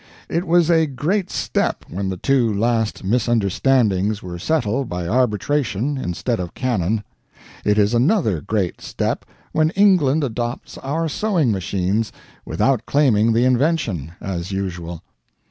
It was a great step when the two last misunderstandings were settled by arbitration instead of cannon. It is another great step when England adopts our sewing machines without claiming the invention as usual.